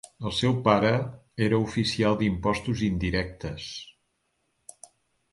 El seu pare era oficial d'impostos indirectes.